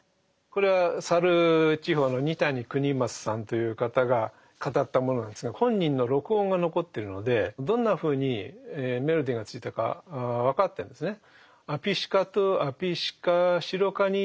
これは沙流地方の二谷国松さんという方が語ったものなんですが本人の録音が残ってるのでどんなふうにメロディーがついたか分かってるんですね。